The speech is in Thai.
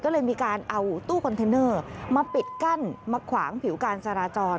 ก็เลยมีการเอาตู้คอนเทนเนอร์มาปิดกั้นมาขวางผิวการจราจร